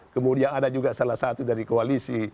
kemudian ada juga salah satu dari koalisi